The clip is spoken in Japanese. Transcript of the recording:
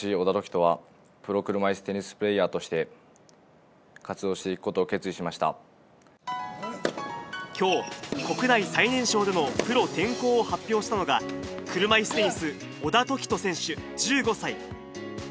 人はプロ車いすテニスプレーヤーとして、活動していくこときょう、国内最年少でのプロ転向を発表したのが、車いすテニス、小田凱人選手１５歳。